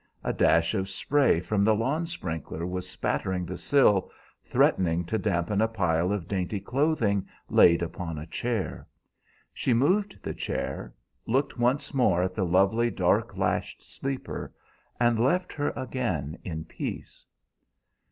A dash of spray from the lawn sprinkler was spattering the sill, threatening to dampen a pile of dainty clothing laid upon a chair. She moved the chair, looked once more at the lovely dark lashed sleeper, and left her again in peace.